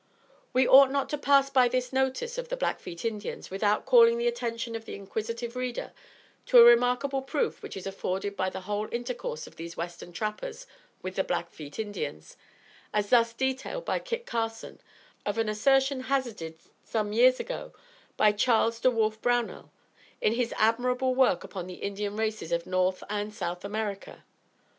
We ought not to pass by this notice of the Blackfeet Indians without calling the attention of the inquisitive reader to a remarkable proof which is afforded by the whole intercourse of these western trappers with the Blackfeet Indians, as thus detailed by Kit Carson, of an assertion hazarded some years ago by Charles De Wolf Brownell, in his admirable work upon the Indian races of North and South America.